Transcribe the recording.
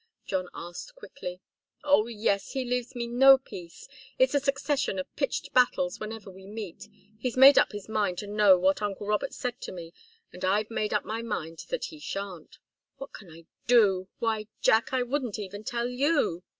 John asked, quickly. "Oh, yes! He leaves me no peace. It's a succession of pitched battles whenever we meet. He's made up his mind to know what uncle Robert said to me, and I've made up mine that he shan't. What can I do? Why, Jack, I wouldn't even tell you!"